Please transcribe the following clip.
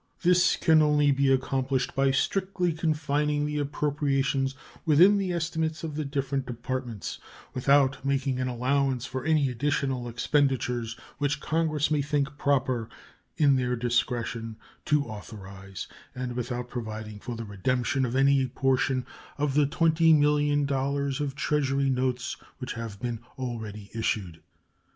This can only be accomplished by strictly confining the appropriations within the estimates of the different Departments, without making an allowance for any additional expenditures which Congress may think proper, in their discretion, to authorize, and without providing for the redemption of any portion of the $20,000,000 of Treasury notes which have been already issued.